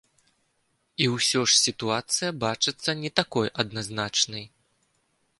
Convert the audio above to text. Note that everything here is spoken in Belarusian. І ўсё ж, сітуацыя бачыцца не такой адназначнай.